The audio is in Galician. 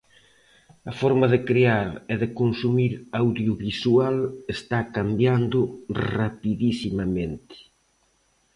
A forma de crear e de consumir audiovisual está cambiando rapidisimamente.